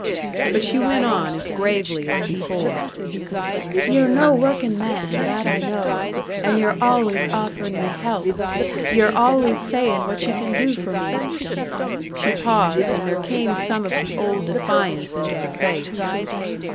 But she went on, as gravely as before. "Ye're no working man, that I know. And ye're always offering me help! Ye're always sayin' what ye can do for me!" She paused and there came some of the old defiance into her face.